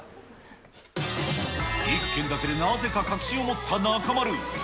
１軒だけでなぜか確信を持った中丸。